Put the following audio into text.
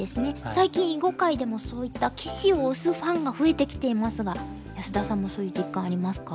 最近囲碁界でもそういった棋士を推すファンが増えてきていますが安田さんもそういう実感ありますか？